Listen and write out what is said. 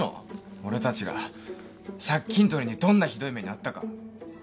俺たちが借金取りにどんなひどい目に遭ったか。